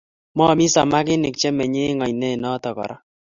Momii samakinik che menyei eng oinet noto kora